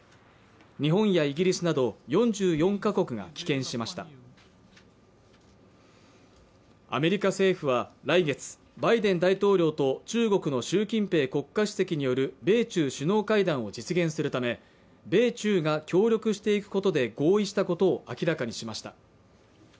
日本やイギリスなど４４カ国が棄権しましたアメリカ政府は来月バイデン大統領と中国の習近平国家主席による米中首脳会談を実現するため米中が協力していくことで合意したことを明らかにしました